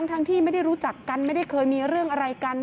ทั้งที่ไม่ได้รู้จักกันไม่ได้เคยมีเรื่องอะไรกัน